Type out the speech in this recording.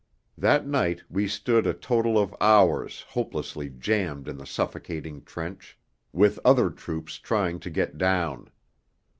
That night we stood a total of hours hopelessly jammed in the suffocating trench, with other troops trying to get down.